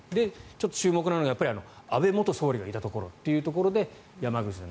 で、注目なのが安倍元総理がいたところというところで山口と。